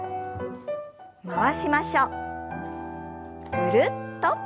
ぐるっと。